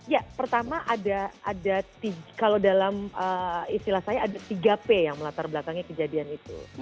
ya pertama ada kalau dalam istilah saya ada tiga p yang melatar belakangnya kejadian itu